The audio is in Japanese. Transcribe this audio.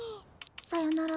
さよなら。